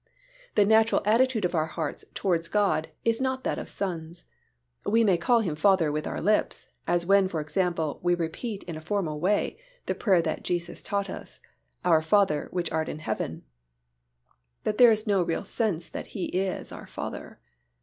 The natural attitude of our hearts towards God is not that of sons. We may call Him Father with our lips, as when for example we repeat in a formal way, the prayer that Jesus taught us, "Our Father, which art in heaven," but there is no real sense that He is our Father.